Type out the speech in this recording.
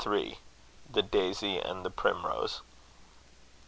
THE DAISY AND THE PRIMROSE.